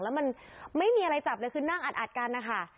แล้วมันไม่มีอะไรจับเลยคือนั่งอัดกันนะคะ